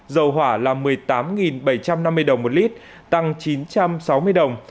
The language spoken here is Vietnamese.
dầu hỏa là một mươi tám bảy trăm năm mươi đồng một lít tăng chín trăm sáu mươi đồng